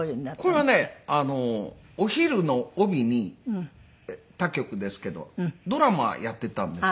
これはねお昼の帯に他局ですけどドラマやっていたんですよ。